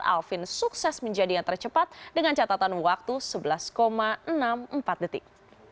alvin sukses menjadi yang tercepat dengan catatan waktu sebelas enam puluh empat detik